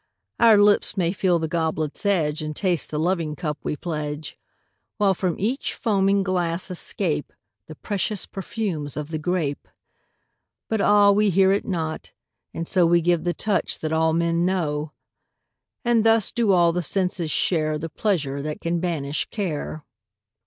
Our lips may feel the goblet's edge And taste the loving cup we pledge. While from each foaming glass escape The precious perfumes of the grape. But ah, we hear it not, and so We give the touch that all men know. And thus do all the senses share The pleasure that can banish care.